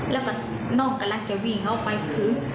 แล้วก็น้องกำลังไปคือ